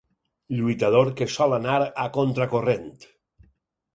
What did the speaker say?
Lluitador que sol anar a contracorrent.